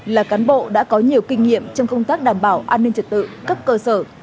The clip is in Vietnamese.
là cán bộ đã có nhiều kinh nghiệm trong công tác đảm bảo an ninh trật tự cấp cơ sở